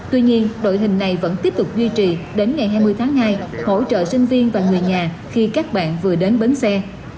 tuy nhiên đội hình này vẫn tiếp tục duy trì đến ngày hai mươi tháng hai hỗ trợ sinh viên và người nhà khi các bạn vừa đến bến xe